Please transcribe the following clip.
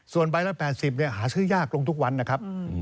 ส่วนใบละ๘๐หาซื้อยากลงทุกวันนะครับ